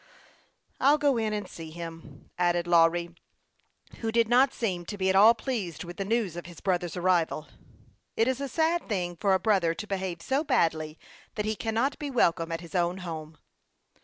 " I'll go in and see him," added Lawry, who did not seem to be at all pleased with the news of his brother's arrival. It is a sad thing for a brother to behave so badly that he cannot be welcome at his own home.